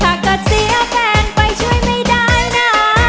ถ้าเกิดเสียแฟนไปช่วยไม่ได้นะ